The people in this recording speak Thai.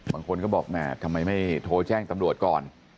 บางคนก็บอกแหมทำไมไม่โทรแจ้งตำรวจก่อน